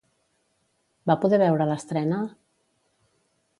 Va poder veure l'estrena?